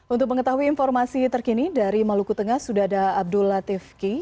untuk mengetahui informasi terkini dari maluku tengah sudah ada abdul latif ki